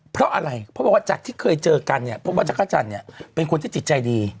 เพราะอะไรเพราะว่าจักรที่เคยเจอกันเพราะว่าจักรจันทร์เป็นคนที่จิตใจดี